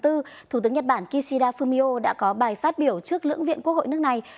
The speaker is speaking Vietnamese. thủ tướng nhật bản kishida fumio đã có bài phát biểu trước lưỡng viện quốc hội nước này